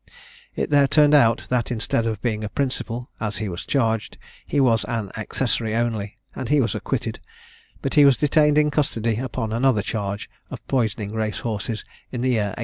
It there turned out, that instead of being a principal as he was charged, he was an accessary only, and he was acquitted; but he was detained in custody upon another charge of poisoning race horses in the year 1809.